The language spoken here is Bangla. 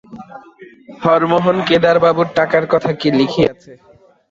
হরমোহন কেদারবাবুর টাকার কথা কি লিখিয়াছে।